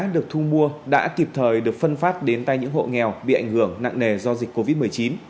được thu mua đã kịp thời được phân phát đến tay những hộ nghèo bị ảnh hưởng nặng nề do dịch covid một mươi chín